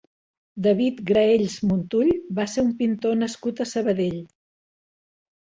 David Graells Montull va ser un pintor nascut a Sabadell.